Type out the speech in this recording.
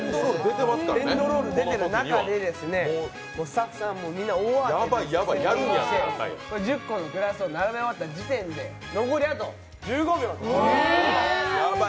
エンドロール出てる中で、スタッフさんもみんな大慌てで、１０個のグラスを並べ終わった時点で、残りあと１５秒。